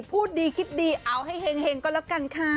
พูดดีคิดดีเอาให้เห็งก็แล้วกันค่ะ